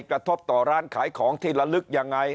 กระทบต่อร้านขายของที่ละลึกยังไง